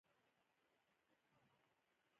يوه هم د حل خبره ونه کړه.